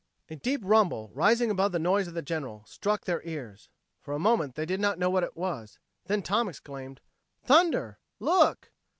A deep rumble, rising above the noise of the General struck their ears. For a moment they did not know what it was; then Tom exclaimed, "Thunder! Look!"